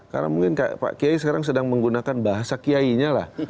karena mungkin pak kiai sekarang sedang menggunakan bahasa kiai nya lah